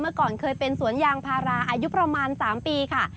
ก่อนเคยเป็นสวนยางพาราอายุประมาณ๓ปีค่ะ